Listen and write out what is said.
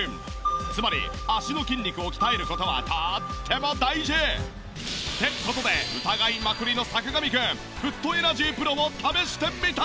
つまり足の筋肉を鍛える事はとっても大事。って事で疑いまくりの坂上くんフットエナジープロを試してみた。